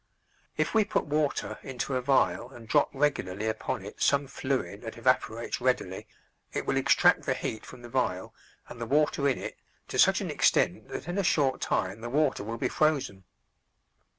If we put water into a vial and drop regularly upon it some fluid that evaporates readily it will extract the heat from the vial and the water in it to such an extent that in a short time the water will be frozen.